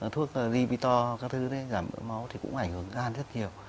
thuốc lipitor các thứ đấy giảm mỡ máu thì cũng ảnh hưởng gan rất nhiều